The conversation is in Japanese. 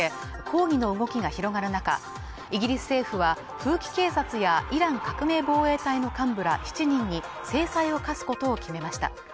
抗議の動きが広がる中イギリス政府は風紀警察やイラン革命防衛隊の幹部ら７人に制裁を科すことを決めました